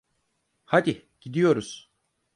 Hadi gidiyoruz.